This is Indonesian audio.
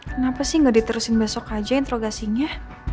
kenapa sih gak diterusin besok aja introgasinya